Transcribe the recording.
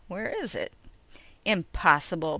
"Where is it?" "Impossible!"